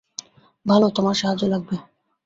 ভালো, তোমার সাহায্য লাগবে।